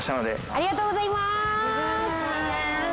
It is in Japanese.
ありがとうございます。